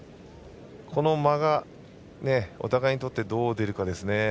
この間がお互いにとってどう出るかですね。